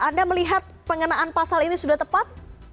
anda melihat pengenaan pasal ini sudah tepat